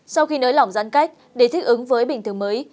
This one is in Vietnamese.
sau khi nới lỏng giãn cách để thích ứng với bình thường mới